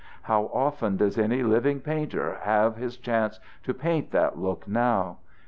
How often does any living painter have his chance to paint that look now!